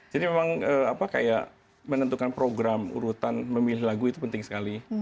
jadi memang apa kayak menentukan program urutan memilih lagu itu penting sekali